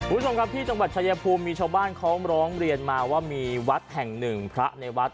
คุณผู้ชมครับที่จังหวัดชายภูมิมีชาวบ้านเขาร้องเรียนมาว่ามีวัดแห่งหนึ่งพระในวัด